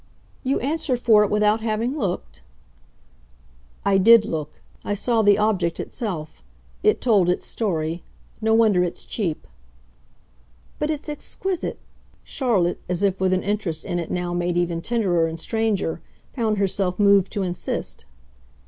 "You answer for it without having looked?" "I did look. I saw the object itself. It told its story. No wonder it's cheap." "But it's exquisite," Charlotte, as if with an interest in it now made even tenderer and stranger, found herself moved to insist.